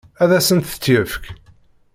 Ad asent-t-yefk?